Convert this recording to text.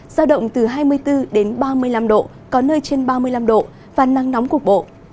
giao động từ hai mươi bốn đến ba mươi năm độ có nơi trên ba mươi năm độ và nắng nóng cục bộ